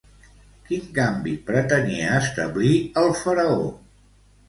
Quin canvi pretenia establir el faraó?